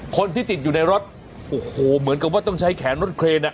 คนที่ติดอยู่ในรถโอ้โหเหมือนกับว่าต้องใช้แขนรถเครนอ่ะ